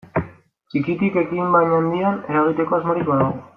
Txikitik ekin baina handian eragiteko asmorik badago.